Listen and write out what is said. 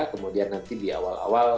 kemudian nanti di awal awal